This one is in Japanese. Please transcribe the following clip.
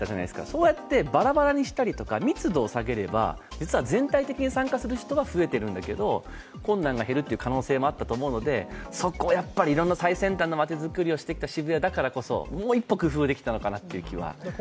そうやってバラバラにしたり、密度を下げれば実は全体的に参加する人は増えているんだけど困難が減るという可能性もあったのでそこをやっぱりいろんな最先端の街づくりをしてきた渋谷だからこそもう一歩工夫できたのかなと思うんですが。